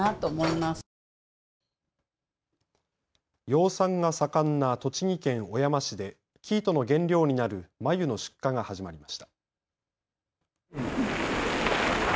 養蚕が盛んな栃木県小山市で生糸の原料になる繭の出荷が始まりました。